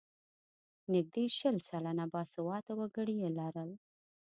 نږدې شل سلنه باسواده وګړي یې لرل.